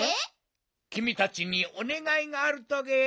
きみたちにおねがいがあるトゲ。